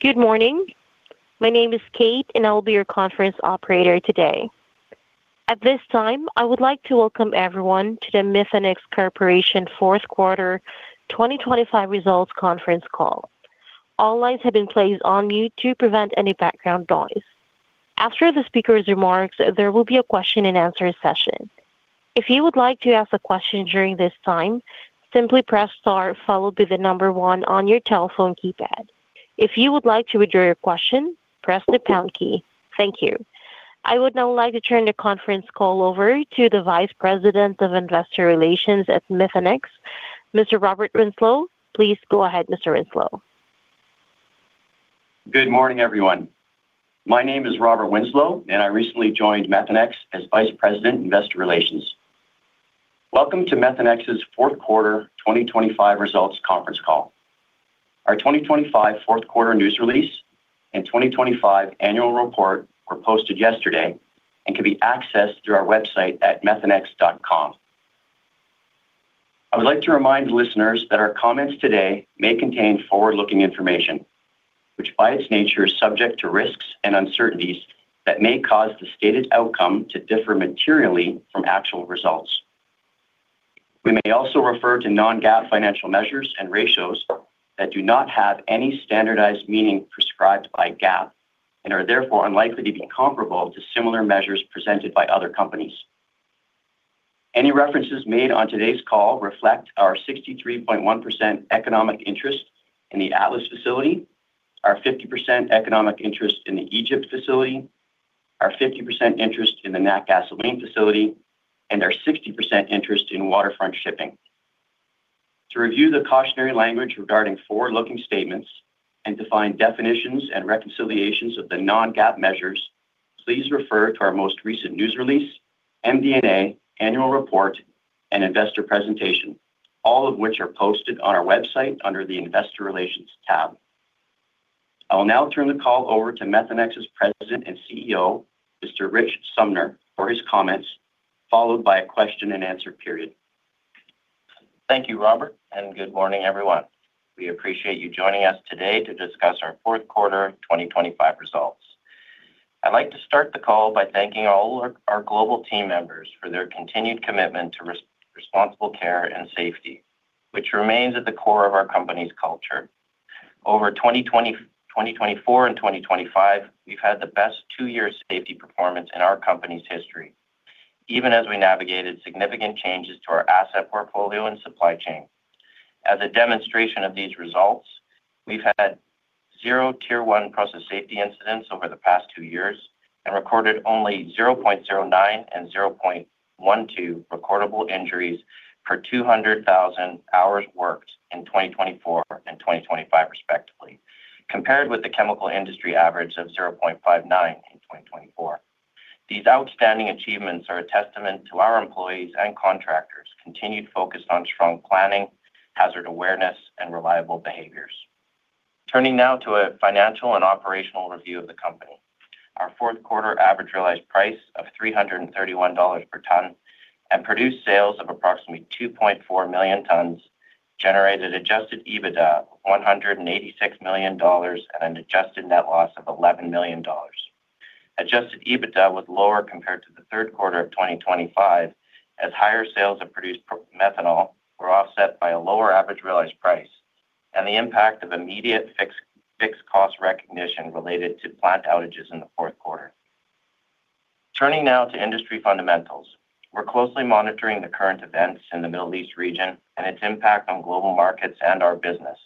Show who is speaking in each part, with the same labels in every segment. Speaker 1: Good morning. My name is Kate. I will be your conference operator today. At this time, I would like to welcome everyone to the Methanex Corporation fourth quarter 2025 results conference call. All lines have been placed on mute to prevent any background noise. After the speaker's remarks, there will be a question and answer session. If you would like to ask a question during this time, simply press star followed by one on your telephone keypad. If you would like to withdraw your question, press the pound key. Thank you. I would now like to turn the conference call over to the Vice President of Investor Relations at Methanex, Mr. Robert Winslow. Please go ahead, Mr. Winslow.
Speaker 2: Good morning, everyone. My name is Robert Winslow. I recently joined Methanex as Vice President, Investor Relations. Welcome to Methanex's fourth quarter 2025 results conference call. Our 2025 fourth quarter news release and 2025 annual report were posted yesterday and can be accessed through our website at methanex.com. I would like to remind listeners that our comments today may contain forward-looking information, which by its nature is subject to risks and uncertainties that may cause the stated outcome to differ materially from actual results. We may also refer to non-GAAP financial measures and ratios that do not have any standardized meaning prescribed by GAAP and are therefore unlikely to be comparable to similar measures presented by other companies. Any references made on today's call reflect our 63.1% economic interest in the Atlas facility, our 50% economic interest in the Egypt facility, our 50% interest in the Natgasoline facility, and our 60% interest in Waterfront Shipping. To review the cautionary language regarding forward-looking statements and to find definitions and reconciliations of the non-GAAP measures, please refer to our most recent news release, MD&A Annual Report and investor presentation, all of which are posted on our website under the Investor Relations tab. I will now turn the call over to Methanex's President and CEO, Mr. Rich Sumner, for his comments, followed by a question and answer period.
Speaker 3: Thank you, Robert, and good morning, everyone. We appreciate you joining us today to discuss our fourth quarter 2025 results. I'd like to start the call by thanking all our global team members for their continued commitment to Responsible Care and safety, which remains at the core of our company's culture. Over 2020, 2024 and 2025, we've had the best two-year safety performance in our company's history, even as we navigated significant changes to our asset portfolio and supply chain. As a demonstration of these results, we've had zero Tier 1 process safety incidents over the past two years and recorded only 0.09 and 0.12 recordable injuries per 200,000 hours worked in 2024 and 2025 respectively, compared with the chemical industry average of 0.59 in 2024. These outstanding achievements are a testament to our employees' and contractors' continued focus on strong planning, hazard awareness, and reliable behaviors. Turning now to a financial and operational review of the company. Our fourth quarter average realized price of $331 per ton and produced sales of approximately 2.4 million tons, generated Adjusted EBITDA $186 million and an adjusted net loss of $11 million. Adjusted EBITDA was lower compared to the third quarter of 2025, as higher sales of produced methanol were offset by a lower average realized price and the impact of immediate fixed cost recognition related to plant outages in the fourth quarter. Turning now to industry fundamentals. We're closely monitoring the current events in the Middle East region and its impact on global markets and our business.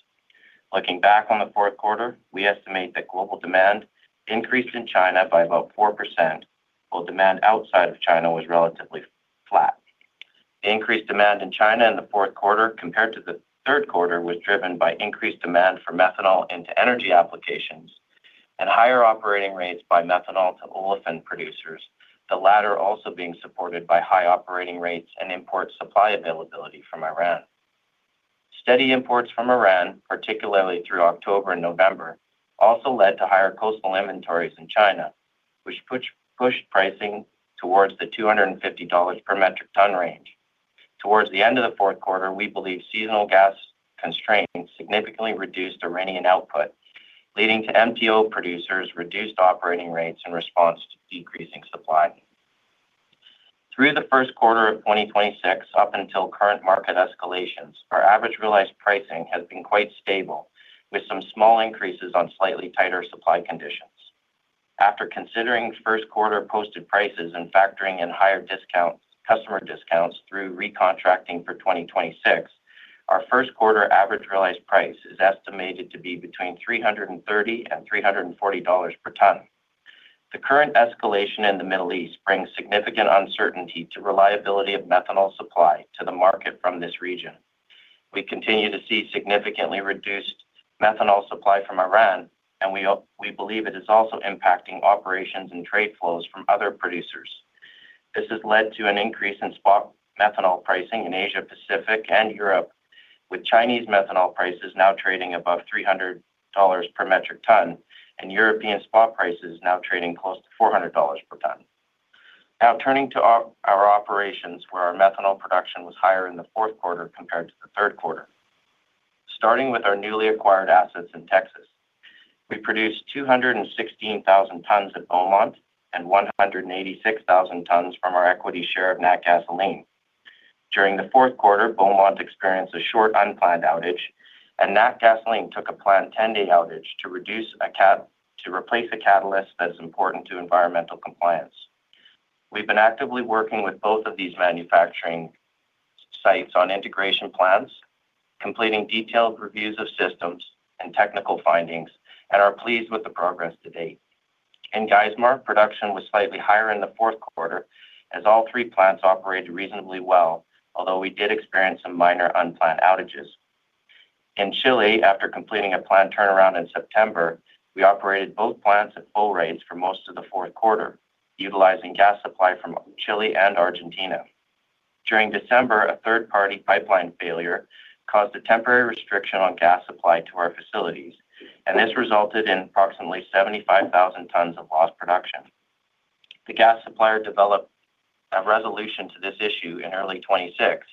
Speaker 3: Looking back on the Q4, we estimate that global demand increased in China by about 4%, while demand outside of China was relatively flat. Increased demand in China in the fourth quarter compared to the third quarter was driven by increased demand for methanol into energy applications and higher operating rates by Methanol-to-Olefins producers, the latter also being supported by high operating rates and import supply availability from Iran. Steady imports from Iran, particularly through October and November, also led to higher coastal inventories in China, which pushed pricing towards the $250 per metric ton range. Towards the end of the fourth quarter, we believe seasonal gas constraints significantly reduced Iranian output, leading to MTO producers reduced operating rates in response to decreasing supply. Through the first quarter of 2026, up until current market escalations, our average realized pricing has been quite stable with some small increases on slightly tighter supply conditions. After considering first quarter posted prices and factoring in higher discounts, customer discounts through recontracting for 2026, our first quarter average realized price is estimated to be between $330 and $340 per ton. The current escalation in the Middle East brings significant uncertainty to reliability of methanol supply to the market from this region. We continue to see significantly reduced methanol supply from Iran. We believe it is also impacting operations and trade flows from other producers. This has led to an increase in spot methanol pricing in Asia Pacific and Europe, with Chinese methanol prices now trading above $300 per metric ton and European spot prices now trading close to $400 per ton. Turning to our operations where our methanol production was higher in the fourth quarter compared to the third quarter. Starting with our newly acquired assets in Texas, we produced 216,000 tons at Beaumont and 186,000 tons from our equity share of Natgasoline. During the fourth quarter, Beaumont experienced a short unplanned outage, and Natgasoline took a planned 10-day outage to replace a catalyst that's important to environmental compliance. We've been actively working with both of these manufacturing sites on integration plans, completing detailed reviews of systems and technical findings, and are pleased with the progress to date. In Geismar, production was slightly higher in the fourth quarter as all three plants operated reasonably well, although we did experience some minor unplanned outages. In Chile, after completing a planned turnaround in September, we operated both plants at full rates for most of the fourth quarter, utilizing gas supply from Chile and Argentina. During December, a third-party pipeline failure caused a temporary restriction on gas supply to our facilities, and this resulted in approximately 75,000 tons of lost production. The gas supplier developed a resolution to this issue in early 2026,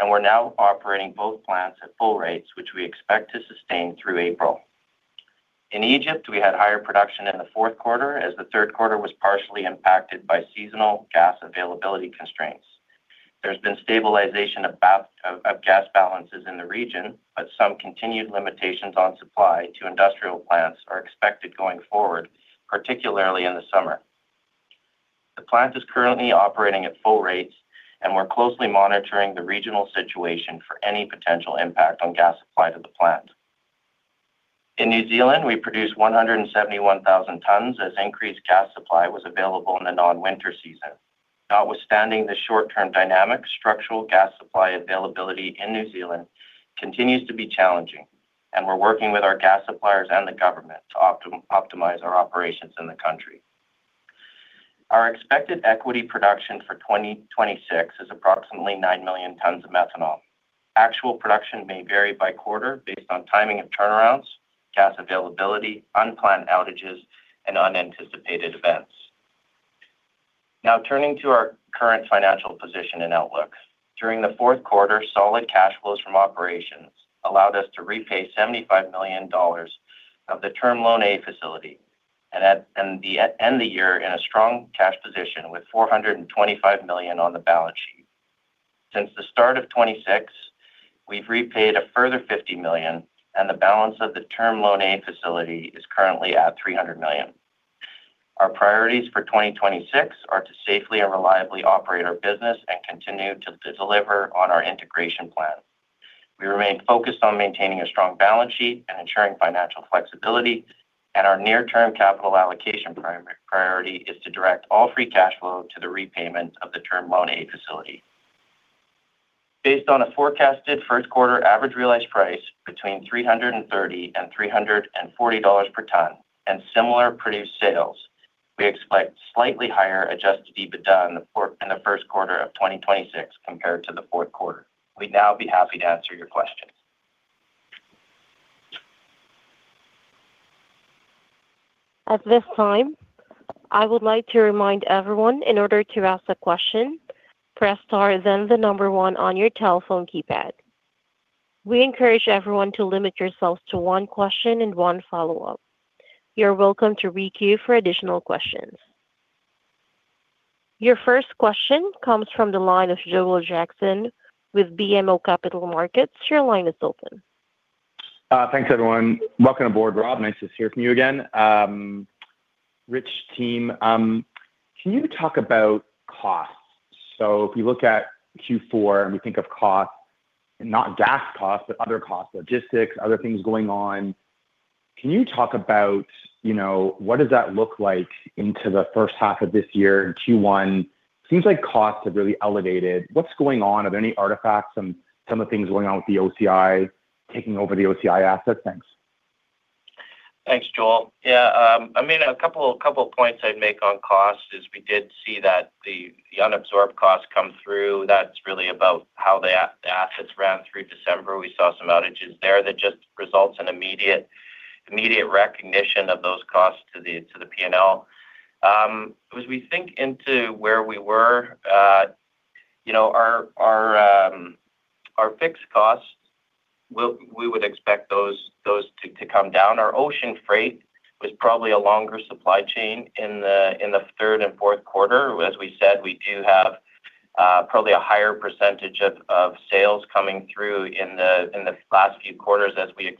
Speaker 3: and we're now operating both plants at full rates, which we expect to sustain through April. In Egypt, we had higher production in the fourth quarter as the third quarter was partially impacted by seasonal gas availability constraints. There's been stabilization of gas balances in the region, some continued limitations on supply to industrial plants are expected going forward, particularly in the summer. The plant is currently operating at full rates, we're closely monitoring the regional situation for any potential impact on gas supply to the plant. In New Zealand, we produced 171,000 tons as increased gas supply was available in the non-winter season. Notwithstanding the short-term dynamic, structural gas supply availability in New Zealand continues to be challenging, we're working with our gas suppliers and the government to optimize our operations in the country. Our expected equity production for 2026 is approximately 9 million tons of methanol. Actual production may vary by quarter based on timing of turnarounds, gas availability, unplanned outages, and unanticipated events. Turning to our current financial position and outlook. During the fourth quarter, solid cash flows from operations allowed us to repay $75 million of the Term Loan A facility and the end the year in a strong cash position with $425 million on the balance sheet. Since the start of 2026, we've repaid a further $50 million, and the balance of the Term Loan A facility is currently at $300 million. Our priorities for 2026 are to safely and reliably operate our business and continue to deliver on our integration plan. We remain focused on maintaining a strong balance sheet and ensuring financial flexibility, and our near-term capital allocation priority is to direct all free cash flow to the repayment of the Term Loan A facility. Based on a forecasted first quarter average realized price between $330 and $340 per ton and similar produced sales, we expect slightly higher Adjusted EBITDA in the first quarter of 2026 compared to the fourth quarter. We'd now be happy to answer your questions.
Speaker 1: At this time, I would like to remind everyone in order to ask a question, press Star then one on your telephone keypad. We encourage everyone to limit yourselves to one question and one follow-up. You're welcome to re-queue for additional questions. Your first question comes from the line of Joel Jackson with BMO Capital Markets. Your line is open.
Speaker 4: Thanks everyone. Welcome aboard, Rob. Nice to hear from you again. Rich team, can you talk about costs? If you look at Q4 and we think of costs, not gas costs, but other costs, logistics, other things going on. Can you talk about, you know, what does that look like into the first half of this year in Q1? Seems like costs have really elevated. What's going on? Are there any artifacts and some of the things going on with the OCI taking over the OCI assets? Thanks.
Speaker 3: Thanks, Joel. I mean, a couple points I'd make on costs is we did see that the unabsorbed costs come through. That's really about how the assets ran through December. We saw some outages there that just results in immediate recognition of those costs to the P&L. As we think into where we were, you know, our fixed costs we would expect those to come down. Our ocean freight was probably a longer supply chain in the third and fourth quarter. As we said, we do have probably a higher percentage of sales coming through in the last few quarters as we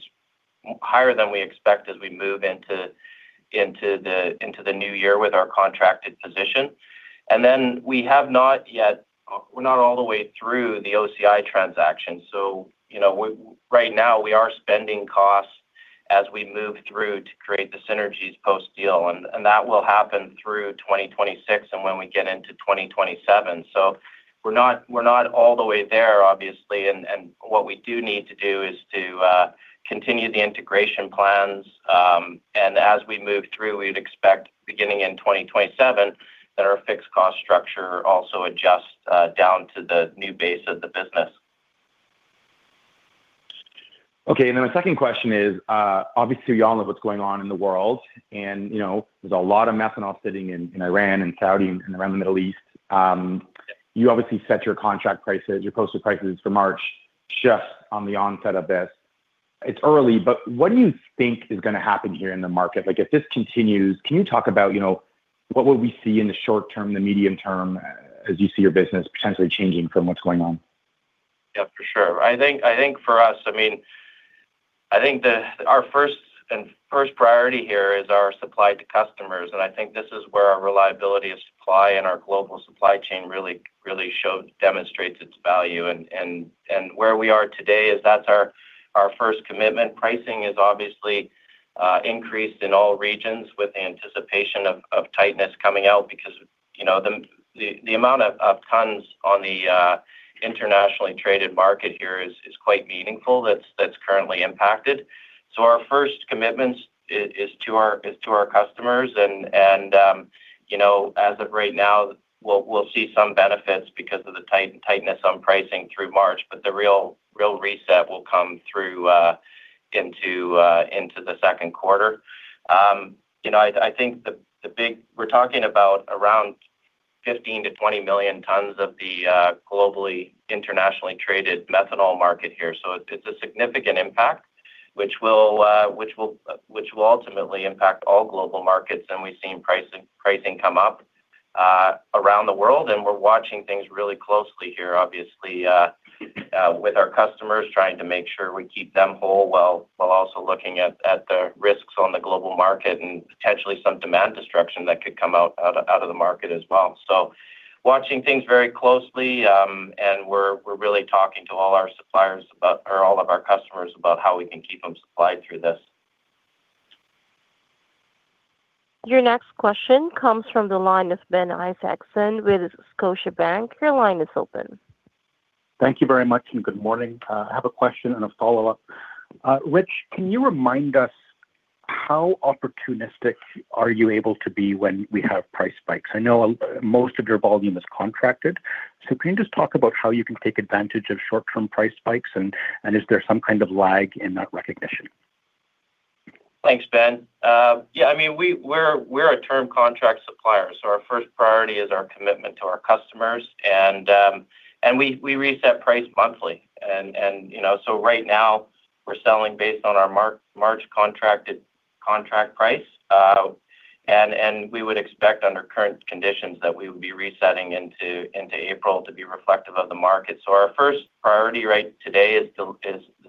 Speaker 3: higher than we expect as we move into the new year with our contracted position. We have not yet... We're not all the way through the OCI transaction. You know, right now we are spending costs as we move through to create the synergies post-deal, and that will happen through 2026 and when we get into 2027. We're not all the way there, obviously. What we do need to do is to continue the integration plans, and as we move through, we'd expect beginning in 2027 that our fixed cost structure also adjusts down to the new base of the business.
Speaker 4: Okay. My second question is, obviously you all know what's going on in the world and, you know, there's a lot of methanol sitting in Iran and Saudi and around the Middle East. You obviously set your contract prices, your posted prices for March just on the onset of this. It's early, but what do you think is gonna happen here in the market? Like, if this continues, can you talk about, you know, what would we see in the short term, the medium term as you see your business potentially changing from what's going on?
Speaker 3: Yeah, for sure. I think for us, I mean, I think our first and first priority here is our supply to customers. I think this is where our reliability of supply and our global supply chain really demonstrates its value. Where we are today is that's our first commitment. Pricing has obviously increased in all regions with anticipation of tightness coming out because, you know, the amount of tons on the internationally traded market here is quite meaningful that's currently impacted. Our first commitment is to our customers and, you know, as of right now, we'll see some benefits because of the tightness on pricing through March, but the real reset will come through into the second quarter. You know, I think We're talking about around 15 million tons-20 million tons of the globally internationally traded methanol market here. It's a significant impact which will ultimately impact all global markets. We've seen pricing come up around the world, and we're watching things really closely here, obviously, with our customers trying to make sure we keep them whole, while also looking at the risks on the global market and potentially some demand destruction that could come out of the market as well. Watching things very closely, and we're really talking to all our suppliers or all of our customers about how we can keep them supplied through this.
Speaker 1: Your next question comes from the line of Ben Isaacson with Scotiabank. Your line is open.
Speaker 5: Thank you very much, and good morning. I have a question and a follow-up. Rich, can you remind us how opportunistic are you able to be when we have price spikes? I know, most of your volume is contracted, so can you just talk about how you can take advantage of short-term price spikes and is there some kind of lag in that recognition?
Speaker 3: Thanks, Ben. Yeah, I mean, we're a term contract supplier, so our first priority is our commitment to our customers and we reset price monthly. You know, so right now we're selling based on our March contracted contract price. We would expect under current conditions that we would be resetting into April to be reflective of the market. Our first priority right today is the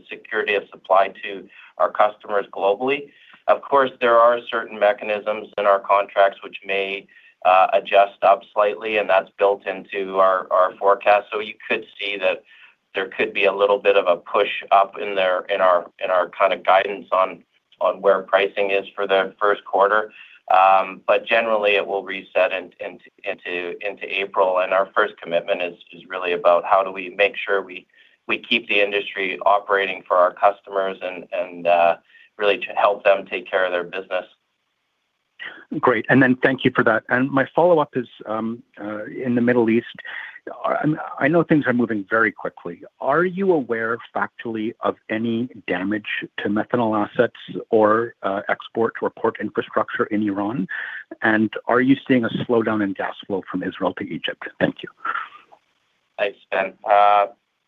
Speaker 3: security of supply to our customers globally. Of course, there are certain mechanisms in our contracts which may adjust up slightly, and that's built into our forecast. You could see that there could be a little bit of a pushup in there in our kind of guidance on where pricing is for the first quarter. Generally it will reset into April. Our first commitment is really about how do we make sure we keep the industry operating for our customers and really to help them take care of their business.
Speaker 5: Great. Thank you for that. My follow-up is in the Middle East. I know things are moving very quickly. Are you aware factually of any damage to methanol assets or export or port infrastructure in Iran? Are you seeing a slowdown in gas flow from Israel to Egypt? Thank you.
Speaker 3: Thanks, Ben.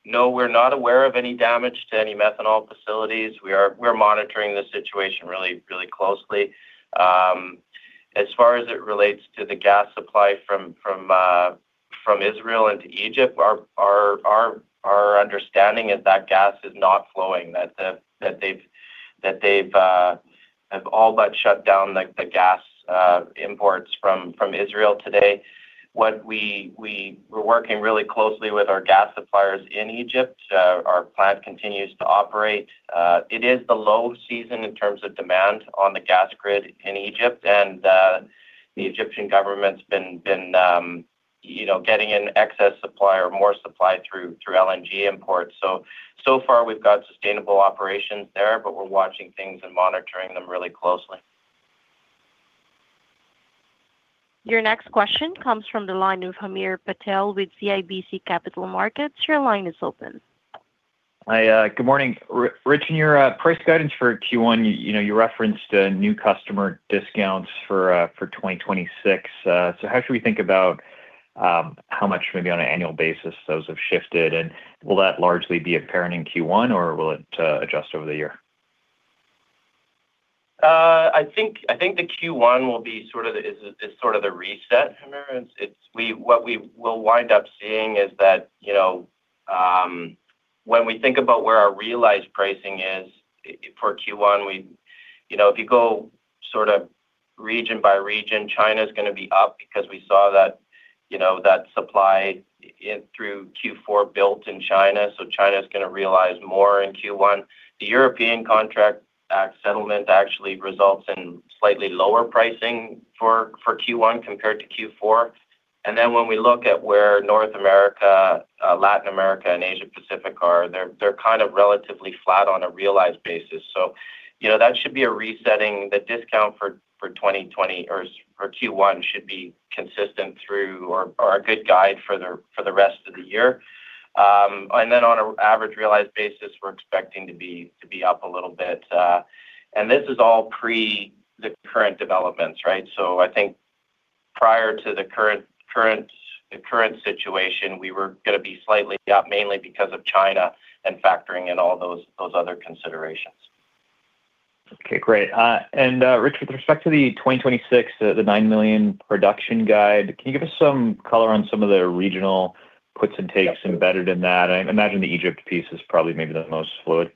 Speaker 3: No, we're not aware of any damage to any methanol facilities. We're monitoring the situation really, really closely. As far as it relates to the gas supply from Israel into Egypt, our understanding is that gas is not flowing. That they've have all but shut down the gas imports from Israel today. We're working really closely with our gas suppliers in Egypt. Our plant continues to operate. It is the low season in terms of demand on the gas grid in Egypt and the Egyptian government's been, you know, getting in excess supply or more supply through LNG imports. So far we've got sustainable operations there, but we're watching things and monitoring them really closely.
Speaker 1: Your next question comes from the line of Hamir Patel with CIBC Capital Markets. Your line is open.
Speaker 6: Hi. good morning. Rich, in your price guidance for Q1, you know, you referenced new customer discounts for 2026. How should we think about how much maybe on an annual basis those have shifted, and will that largely be apparent in Q1, or will it adjust over the year?
Speaker 3: I think the Q1 will be sort of the reset, Hamir. It's what we will wind up seeing is that, you know, when we think about where our realized pricing is for Q1. You know, if you go sort of region by region, China's gonna be up because we saw that, you know, that supply in through Q4 built in China, so China's gonna realize more in Q1. The European contract settlement actually results in slightly lower pricing for Q1 compared to Q4. When we look at where North America, Latin America, and Asia Pacific are, they're kind of relatively flat on a realized basis. You know, that should be a resetting. The discount for 2020 or Q1 should be consistent through or, a good guide for the rest of the year. On a average realized basis, we're expecting to be up a little bit, and this is all pre the current developments, right? I think prior to the current situation, we were gonna be slightly up mainly because of China and factoring in all those other considerations.
Speaker 6: Okay, great. Rich, with respect to the 2026, the 9 million production guide, can you give us some color on some of the regional puts and takes embedded in that? I imagine the Egypt piece is probably maybe the most fluid.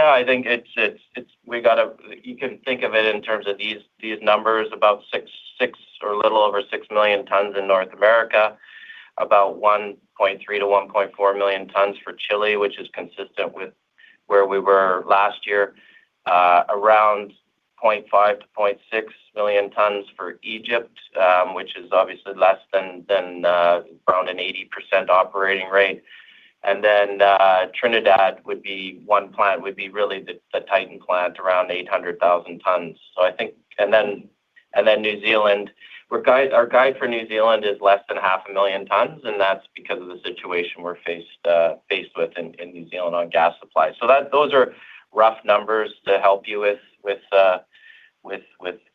Speaker 3: I think we gotta. You can think of it in terms of these numbers, about 6 million tons or a little over 6 million tons in North America. About 1.3 million-1.4 million tons for Chile, which is consistent with where we were last year. Around 0.5 million-0.6 million tons for Egypt, which is obviously less than around an 80% operating rate. Trinidad would be one plant, really the Titan plant around 800,000 tons. I think. Then New Zealand. Our guide for New Zealand is less than half a million tons, and that's because of the situation we're faced with in New Zealand on gas supply. That, those are rough numbers to help you with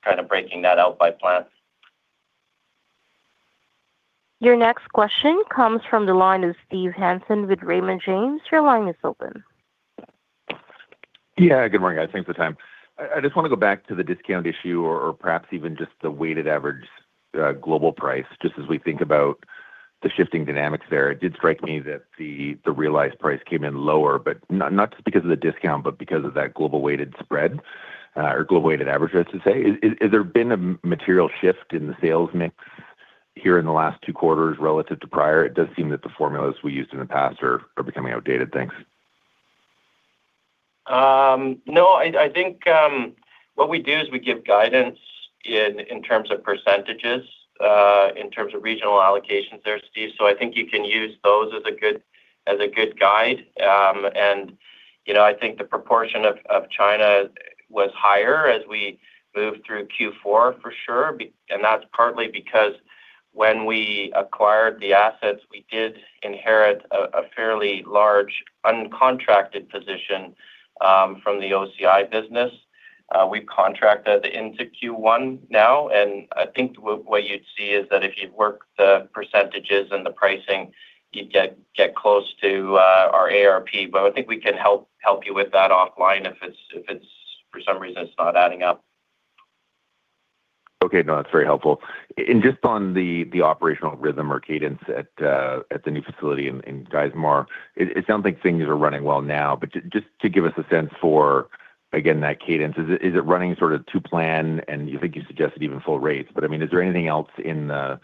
Speaker 3: kind of breaking that out by plant.
Speaker 1: Your next question comes from the line of Steve Hansen with Raymond James. Your line is open.
Speaker 7: Good morning, guys. Thanks for the time. I just wanna go back to the discount issue or perhaps even just the weighted average global price, just as we think about the shifting dynamics there. It did strike me that the realized price came in lower, but not just because of the discount, but because of that global weighted spread or global weighted average, I should say. Has there been a material shift in the sales mix here in the last two quarters relative to prior? It does seem that the formulas we used in the past are becoming outdated. Thanks.
Speaker 3: No. I think what we do is we give guidance in terms of percentages, in terms of regional allocations there, Steve. I think you can use those as a good guide. And, you know, I think the proportion of China was higher as we moved through Q4, for sure. And that's partly because when we acquired the assets, we did inherit a fairly large uncontracted position from the OCI business. We've contracted into Q1 now, and I think what you'd see is that if you'd work the percentages and the pricing, you'd get close to our ARP. I think we can help you with that offline if it's for some reason it's not adding up.
Speaker 7: Okay. No, that's very helpful. Just on the operational rhythm or cadence at the new facility in Geismar, it sounds like things are running well now. Just to give us a sense for, again, that cadence, is it running sort of to plan? I think you suggested even full rates, but, I mean, is there anything else in the,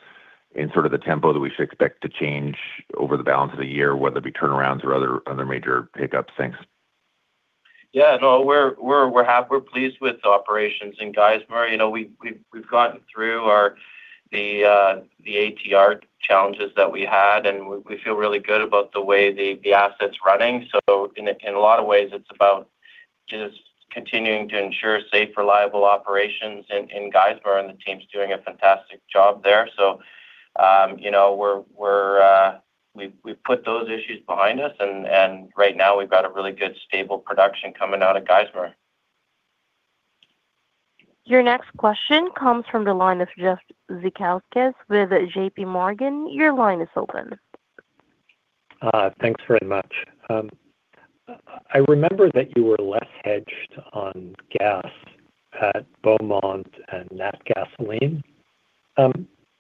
Speaker 7: in sort of the tempo that we should expect to change over the balance of the year, whether it be turnarounds or other major pickups? Thanks.
Speaker 3: Yeah, no. We're pleased with operations in Geismar. You know, we've gotten through our, the ATR challenges that we had, and we feel really good about the way the asset's running. In a lot of ways it's about just continuing to ensure safe, reliable operations in Geismar, and the team's doing a fantastic job there. You know, we're, we've put those issues behind us and right now we've got a really good stable production coming out of Geismar.
Speaker 1: Your next question comes from the line of Jeff Zito with JPMorgan. Your line is open.
Speaker 8: Thanks very much. I remember that you were less hedged on gas at Beaumont and Natgasoline.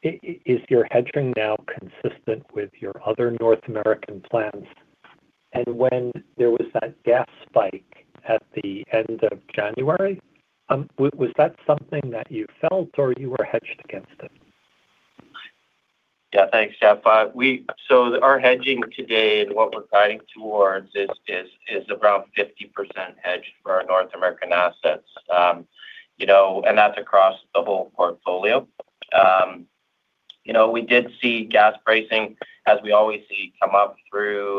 Speaker 8: Is your hedging now consistent with your other North American plants? When there was that gas spike at the end of January, was that something that you felt or you were hedged against it?
Speaker 3: Yeah, thanks, Jeff. So our hedging today and what we're guiding towards is around 50% hedged for our North American assets. You know, and that's across the whole portfolio. You know, we did see gas pricing, as we always see, come up through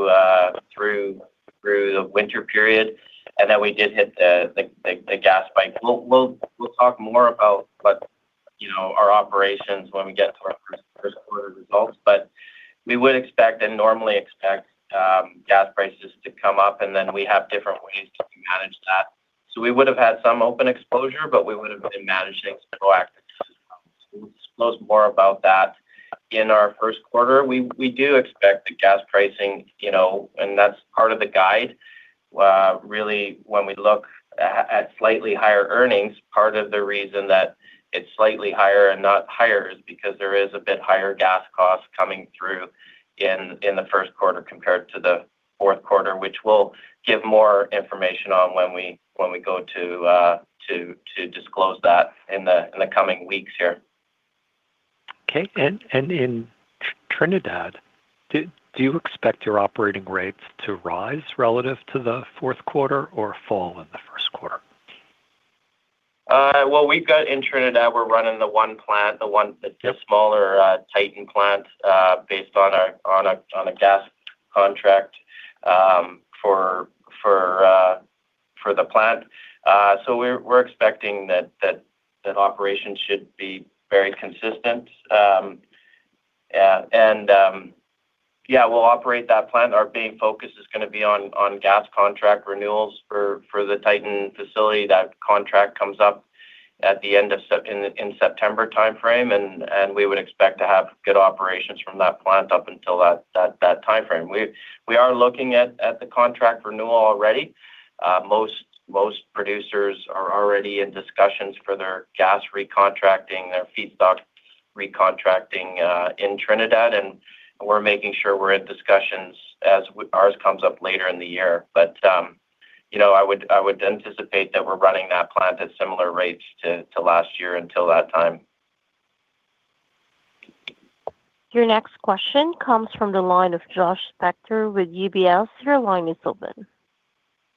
Speaker 3: the winter period, and then we did hit the gas spike. We'll talk more about what, you know, our operations when we get to our first quarter results. We would expect and normally expect gas prices to come up, and then we have different ways to manage that. We would have had some open exposure, but we would have been managing it proactively. We'll disclose more about that in our first quarter. We do expect the gas pricing, you know, and that's part of the guide. Really when we look at slightly higher earnings, part of the reason that it's slightly higher and not higher is because there is a bit higher gas cost coming through in the first quarter compared to the fourth quarter, which we'll give more information on when we go to disclose that in the coming weeks here.
Speaker 8: Okay. In Trinidad, do you expect your operating rates to rise relative to the fourth quarter or fall in the first quarter?
Speaker 3: Well, we've got in Trinidad, we're running the one plant, the smaller Titan plant, based on a gas contract for plant. We're expecting that operation should be very consistent. Yeah, we'll operate that plant. Our main focus is gonna be on gas contract renewals for the Titan facility. That contract comes up at the end of in September timeframe, and we would expect to have good operations from that plant up until that timeframe. We are looking at the contract renewal already. Most producers are already in discussions for their gas recontracting, their feedstock recontracting in Trinidad, and we're making sure we're in discussions as ours comes up later in the year. You know, I would anticipate that we're running that plant at similar rates to last year until that time.
Speaker 1: Your next question comes from the line of Josh Spector with UBS. Your line is open.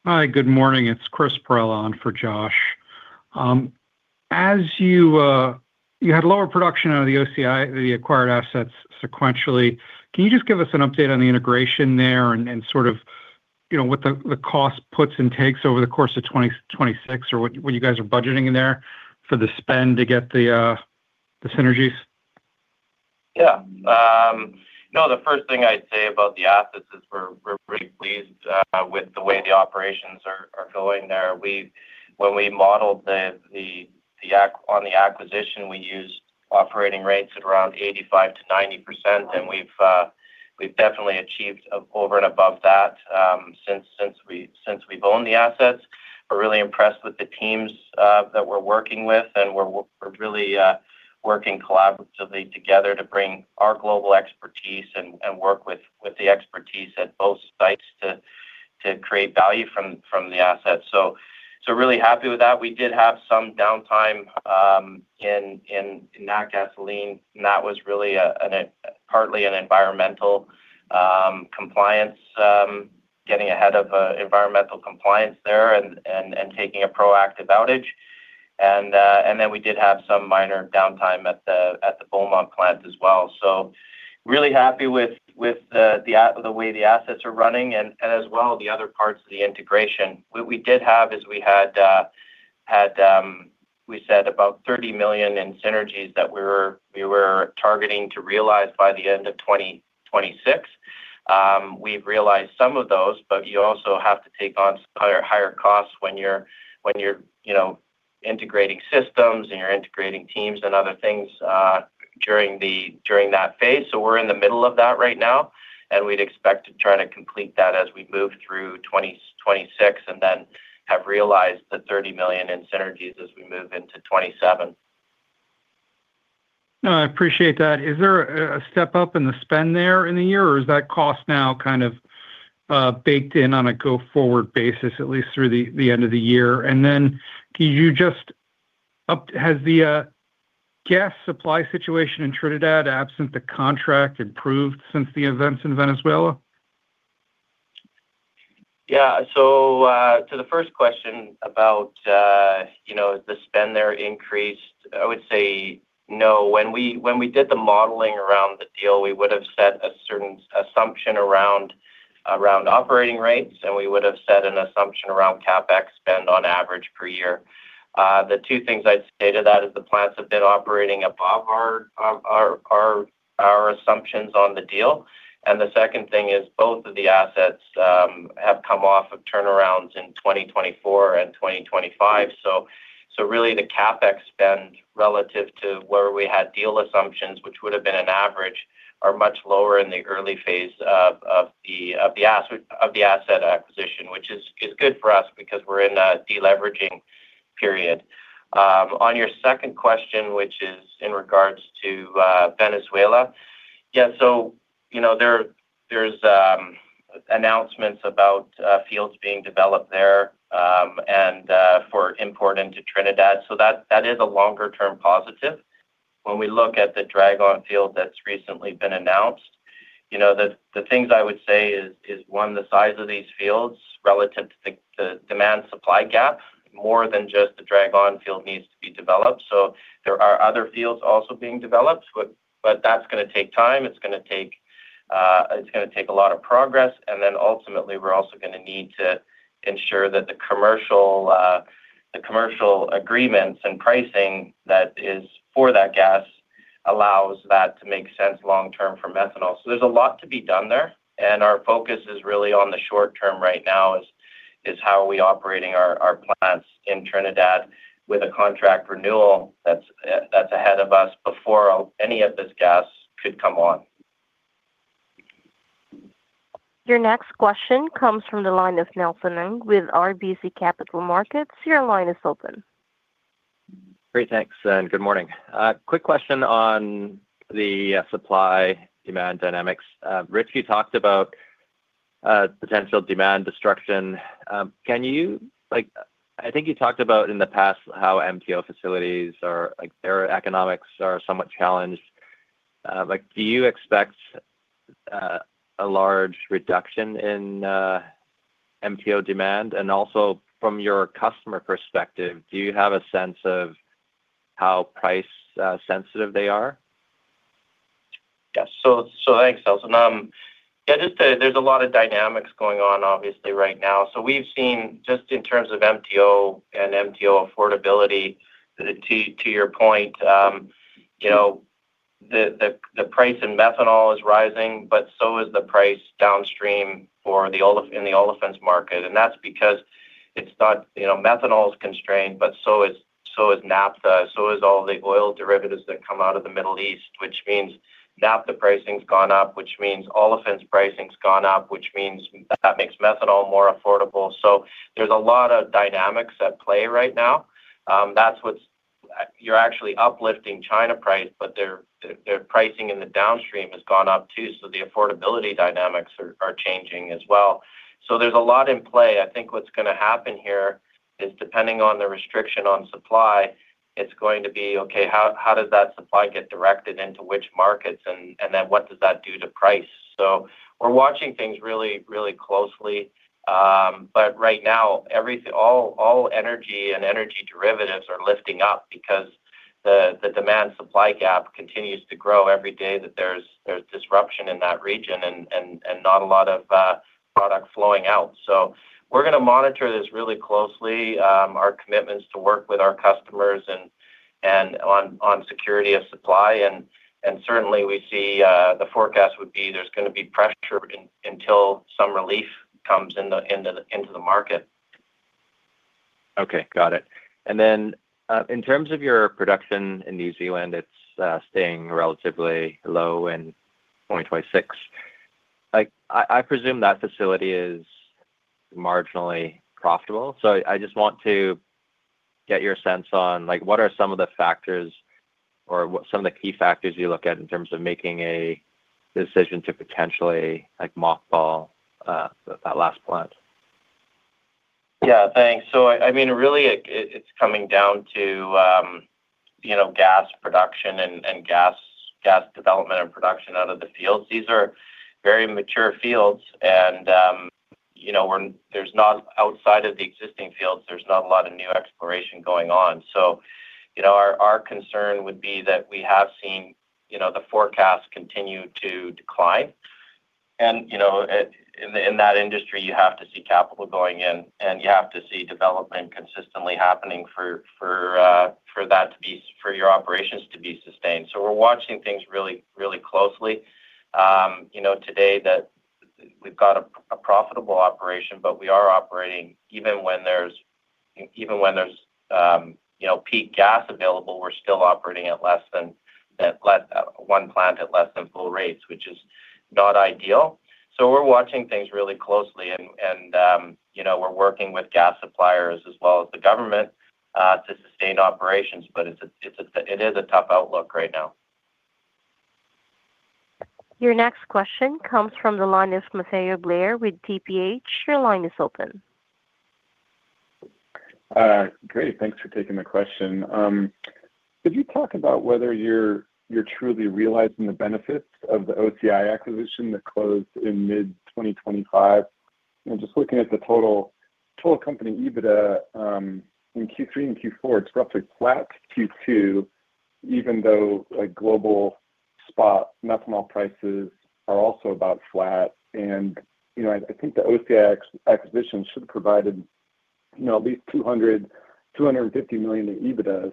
Speaker 9: Hi. Good morning. It's Chris Breler on for Josh. As you had lower production out of the OCI, the acquired assets sequentially. Can you just give us an update on the integration there and sort of, you know, what the cost puts and takes over the course of 2026 or what you guys are budgeting in there for the spend to get the synergies?
Speaker 3: Yeah. No, the first thing I'd say about the assets is we're pretty pleased with the way the operations are going there. When we modeled the acquisition, we used operating rates at around 85%-90%, and we've definitely achieved over and above that, since we've owned the assets. We're really impressed with the teams that we're working with, and we're really working collaboratively together to bring our global expertise and work with the expertise at both sites to create value from the assets. Really happy with that. We did have some downtime in Natgasoline, and that was really partly an environmental compliance, getting ahead of environmental compliance there and taking a proactive outage. Then we did have some minor downtime at the Beaumont plant as well. Really happy with the way the assets are running and as well the other parts of the integration. We did have is we had we said about $30 million in synergies that we were targeting to realize by the end of 2026. We've realized some of those, but you also have to take on higher costs when you're, you know, integrating systems and you're integrating teams and other things during that phase. We're in the middle of that right now, and we'd expect to try to complete that as we move through 2026 and then have realized the $30 million in synergies as we move into 2027.
Speaker 9: No, I appreciate that. Is there a step up in the spend there in the year, or is that cost now kind of baked in on a go-forward basis at least through the end of the year? Can you just Has the gas supply situation in Trinidad absent the contract improved since the events in Venezuela?
Speaker 3: Yeah. To the first question about, you know, has the spend there increased, I would say no. When we did the modeling around the deal, we would have set a certain assumption around operating rates, and we would have set an assumption around CapEx spend on average per year. The two things I'd say to that is the plants have been operating above our assumptions on the deal, and the second thing is both of the assets have come off of turnarounds in 2024 and 2025. Really the CapEx spend relative to where we had deal assumptions, which would have been an average, are much lower in the early phase of the asset acquisition, which is good for us because we're in a deleveraging period. On your second question, which is in regards to Venezuela, yeah, you know, there's announcements about fields being developed there, and for import into Trinidad. That is a longer term positive. When we look at the Dragon field that's recently been announced, you know, the things I would say is one, the size of these fields relative to the demand supply gap, more than just the Dragon field needs to be developed. There are other fields also being developed, but that's gonna take time. It's gonna take a lot of progress, and then ultimately we're also gonna need to ensure that the commercial agreements and pricing that is for that gas allows that to make sense long term for methanol. There's a lot to be done there, and our focus is really on the short term right now is how are we operating our plants in Trinidad with a contract renewal that's ahead of us before, any of this gas could come on.
Speaker 1: Your next question comes from the line of Nelson Ng with RBC Capital Markets. Your line is open.
Speaker 10: Great. Thanks, and good morning. Quick question on the supply-demand dynamics. Rich, you talked about potential demand destruction. Like I think you talked about in the past how MTO facilities or, like, their economics are somewhat challenged. Like, do you expect a large reduction in MTO demand? From your customer perspective, do you have a sense of how price sensitive they are?
Speaker 3: Yeah. Thanks, Nelson. Yeah, just there's a lot of dynamics going on obviously right now. We've seen just in terms of MTO and MTO affordability that to your point, you know, the price in methanol is rising, but so is the price downstream for the olefins market. That's because. You know, methanol is constrained, but so is naphtha, so is all the oil derivatives that come out of the Middle East, which means naphtha pricing's gone up, which means olefins pricing's gone up, which means that makes methanol more affordable. There's a lot of dynamics at play right now. You're actually uplifting China price, but their pricing in the downstream has gone up too, so the affordability dynamics are changing as well. There's a lot in play. I think what's gonna happen here is, depending on the restriction on supply, it's going to be, okay, how does that supply get directed into which markets, and then what does that do to price? We're watching things really, really closely. But right now all energy and energy derivatives are lifting up because the demand supply gap continues to grow every day that there's disruption in that region and not a lot of product flowing out. We're gonna monitor this really closely, our commitments to work with our customers and on security of supply. Certainly we see the forecast would be there's gonna be pressure until some relief comes into the market.
Speaker 10: Okay. Got it. In terms of your production in New Zealand, it's staying relatively low in 2026. Like, I presume that facility is marginally profitable. I just want to get your sense on, like, what are some of the factors or what some of the key factors you look at in terms of making a decision to potentially, like, mothball that last plant?
Speaker 3: Yeah. Thanks. I mean, really it's coming down to, you know, gas production and gas development and production out of the fields. These are very mature fields and, you know, when there's not outside of the existing fields, there's not a lot of new exploration going on. You know, our concern would be that we have seen, you know, the forecast continue to decline. You know, in that industry, you have to see capital going in, and you have to see development consistently happening for your operations to be sustained. We're watching things really, really closely. You know, today that we've got a profitable operation, but we are operating even when there's, you know, peak gas available, we're still operating at less than that, one plant at less than full rates, which is not ideal. We're watching things really closely and, you know, we're working with gas suppliers as well as the government to sustain operations, but it's a, it is a tough outlook right now.
Speaker 1: Your next question comes from the line of Matthew Blair with TPH&Co. Your line is open.
Speaker 11: Great. Thanks for taking the question. Could you talk about whether you're truly realizing the benefits of the OCI acquisition that closed in mid 2025? You know, just looking at the total company EBITDA in Q3 and Q4, it's roughly flat Q2, even though, like, global spot methanol prices are also about flat. You know, I think the OCI acquisition should have provided, you know, at least $200 million-$250 million in EBITDA.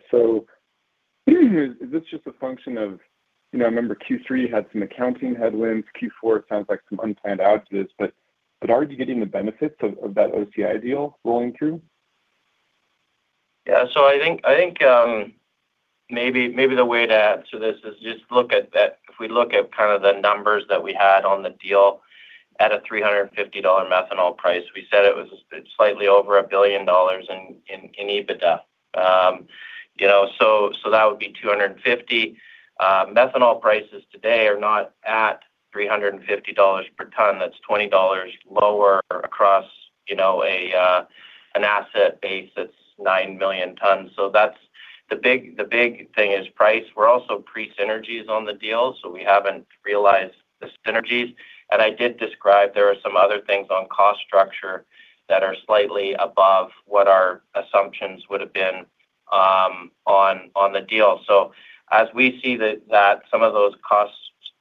Speaker 11: Is this just a function of, you know, I remember Q3 had some accounting headwinds, Q4 it sounds like some unplanned outages, but are you getting the benefits of that OCI deal rolling through?
Speaker 3: I think, maybe the way to answer this is just look at if we look at kind of the numbers that we had on the deal at a $350 methanol price. We said it was slightly over $1 billion in EBITDA. You know, that would be $250. Methanol prices today are not at $350 per ton. That's $20 lower across, you know, an asset base that's 9 million tons. That's the big thing is price. We're also pre-synergies on the deal, so we haven't realized the synergies. I did describe there are some other things on cost structure that are slightly above what our assumptions would have been on the deal. As we see that some of those costs,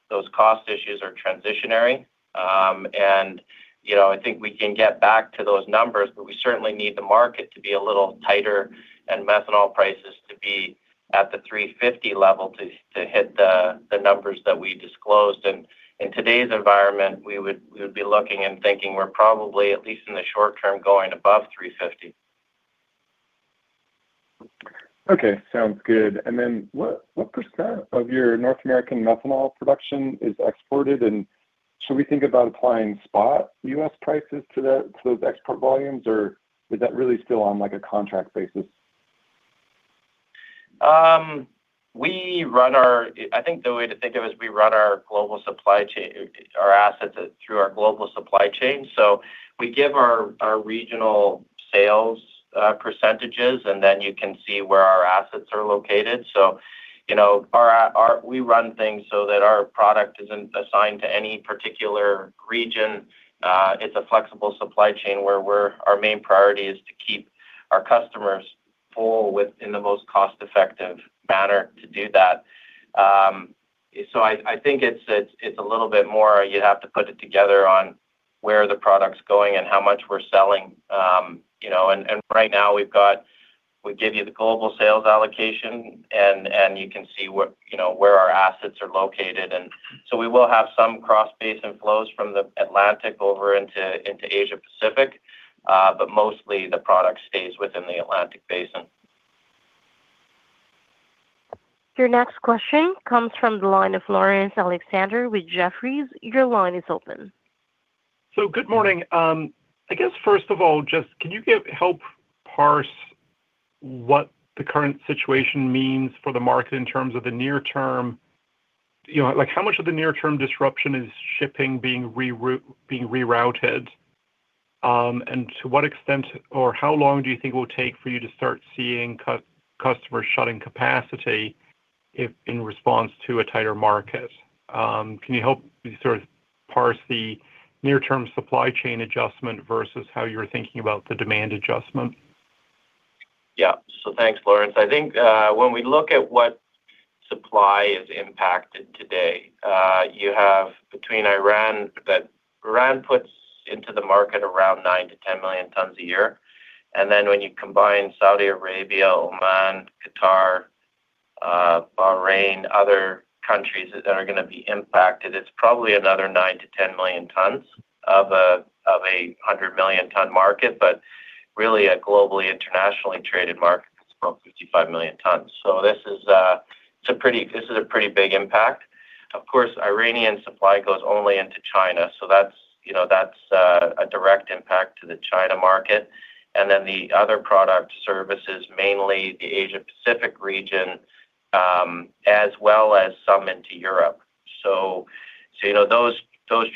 Speaker 3: those cost issues are transitionary, and, you know, I think we can get back to those numbers, but we certainly need the market to be a little tighter and methanol prices to be at the $350 level to hit the numbers that we disclosed. In today's environment, we would be looking and thinking we're probably, at least in the short term, going above $350.
Speaker 11: Okay. Sounds good. What % of your North American methanol production is exported? Should we think about applying spot U.S. prices to those export volumes, or is that really still on, like, a contract basis?
Speaker 3: I think the way to think of it is we run our global supply chain our assets through our global supply chain. We give our regional sales, percentages, and then you can see where our assets are located. You know, our, we run things so that our product isn't assigned to any particular region. It's a flexible supply chain where our main priority is to keep our customers full with in the most cost-effective manner to do that. I think it's a little bit more you'd have to put it together on where the product's going and how much we're selling. You know, right now we've got. We give you the global sales allocation, and you can see where, you know, where our assets are located. We will have some cross-basin flows from the Atlantic over into Asia Pacific, but mostly the product stays within the Atlantic Basin.
Speaker 1: Your next question comes from the line of Laurence Alexander with Jefferies. Your line is open.
Speaker 12: Good morning. I guess, first of all, just can you help parse what the current situation means for the market in terms of the near term? You know, like, how much of the near-term disruption is shipping being rerouted? To what extent or how long do you think it will take for you to start seeing customers shutting capacity if in response to a tighter market? Can you help me sort of parse the near-term supply chain adjustment versus how you're thinking about the demand adjustment?
Speaker 3: Yeah. Thanks, Laurence. I think, when we look at what supply is impacted today, you have between Iran that Iran puts into the market around 9 million tons-10 million tons a year. When you combine Saudi Arabia, Oman, Qatar, Bahrain, other countries that are gonna be impacted, it's probably another 9 million tons-10 million tons of a 100 million ton market. Really a globally internationally traded market, it's about 55 million tons. This is a pretty big impact. Of course, Iranian supply goes only into China, that's, you know, that's a direct impact to the China market. The other product services, mainly the Asia Pacific region, as well as some into Europe. You know, those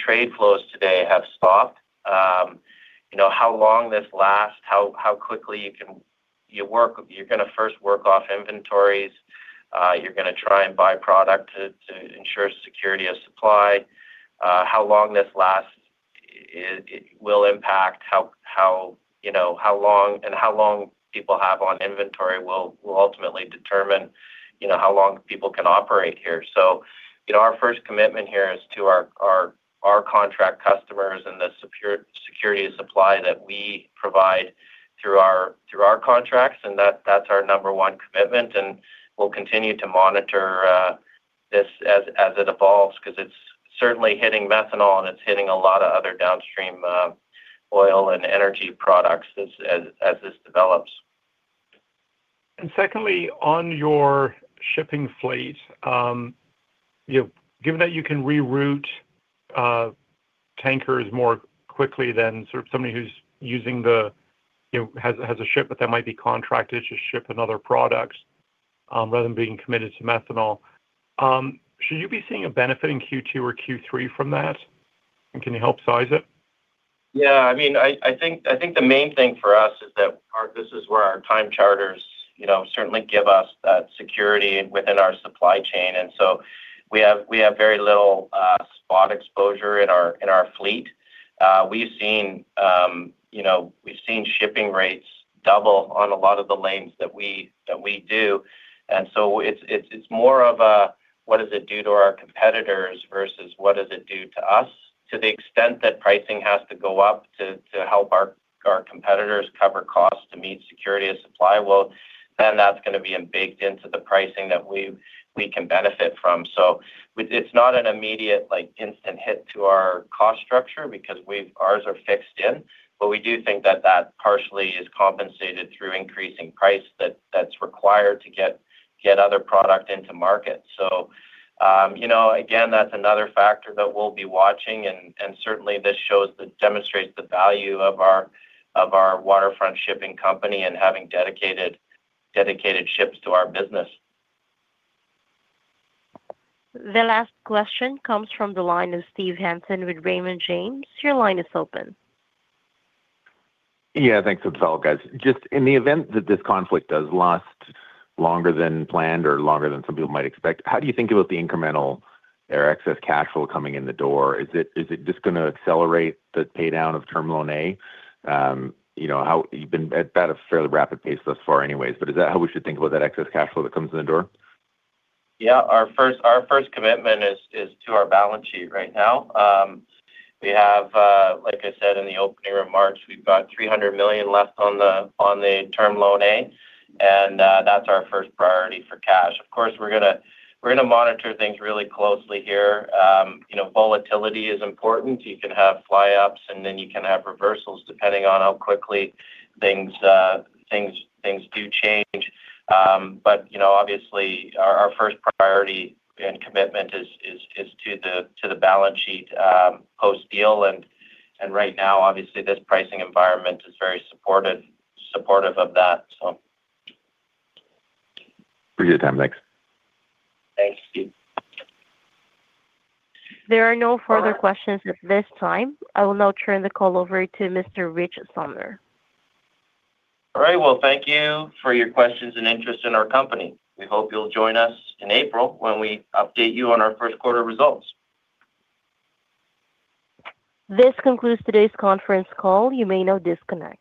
Speaker 3: trade flows today have stopped. You know, how long this lasts, how quickly you can. You're gonna first work off inventories. You're gonna try and buy product to ensure security of supply. How long this lasts will impact how, you know, how long and how long people have on inventory will ultimately determine, you know, how long people can operate here. You know, our first commitment here is to our contract customers and the security of supply that we provide through our, through our contracts, and that's our number one commitment. We'll continue to monitor this as it evolves 'cause it's certainly hitting methanol, and it's hitting a lot of other downstream oil and energy products as this develops.
Speaker 12: Secondly, on your shipping fleet, you know, given that you can reroute tankers more quickly than sort of somebody who's using the has a ship that might be contracted to ship in other products, rather than being committed to methanol, should you be seeing a benefit in Q2 or Q3 from that? Can you help size it?
Speaker 3: I mean, I think the main thing for us is that this is where our time charters, you know, certainly give us that security within our supply chain. We have very little spot exposure in our fleet. We've seen, you know, we've seen shipping rates double on a lot of the lanes that we do. It's more of a what does it do to our competitors versus what does it do to us. To the extent that pricing has to go up to help our competitors cover costs to meet security of supply, well, then that's gonna be in baked into the pricing that we can benefit from. It's not an immediate like instant hit to our cost structure because ours are fixed in. We do think that partially is compensated through increasing price that's required to get other product into market. You know, again, that's another factor that we'll be watching and certainly this demonstrates the value of our Waterfront Shipping company and having dedicated ships to our business.
Speaker 1: The last question comes from the line of Steve Hansen with Raymond James. Your line is open.
Speaker 7: Yeah. Thanks. Thanks, all guys. Just in the event that this conflict does last longer than planned or longer than some people might expect, how do you think about the incremental or excess cash flow coming in the door? Is it just gonna accelerate the pay down of Term Loan A, you know, how you've been at that a fairly rapid pace thus far anyways, but is that how we should think about that excess cash flow that comes in the door?
Speaker 3: Yeah. Our first commitment is to our balance sheet right now. We have, like I said in the opening remarks, we've got $300 million left on the Term Loan A, and that's our first priority for cash. Of course, we're gonna, we're gonna monitor things really closely here. You know, volatility is important. You can have fly ups, and then you can have reversals depending on how quickly things do change. But, you know, obviously our first priority and commitment is to the balance sheet, post-deal. Right now, obviously, this pricing environment is very supported-- supportive of that, so.
Speaker 7: Appreciate your time. Thanks.
Speaker 3: Thanks, Steve.
Speaker 1: There are no further questions at this time. I will now turn the call over to Mr. Rich Sumner.
Speaker 3: All right. Well, thank you for your questions and interest in our company. We hope you'll join us in April when we update you on our first quarter results.
Speaker 1: This concludes today's conference call. You may now disconnect.